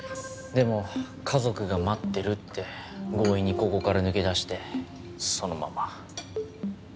でも家族が待ってるって強引にここから抜け出してそのまま。